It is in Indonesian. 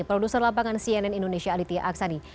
produser lapangan cnn indonesia aditya aksani